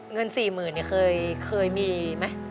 เงิน๔หมื่นเนี่ยเคยมีมั้ย